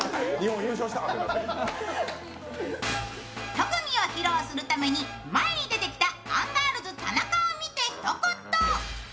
特技を披露するために前に出てきたアンガールズ・田中を見てひと言。